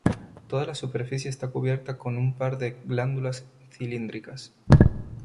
Toda la superficie está cubierta con un par de glándulas cilíndricas.